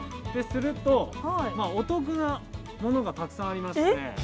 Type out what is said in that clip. すると、お得なものがたくさんありまして。